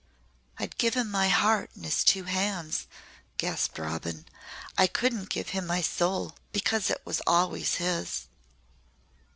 "I'd give him my heart in his two hands," gasped Robin. "I couldn't give him my soul because it was always his."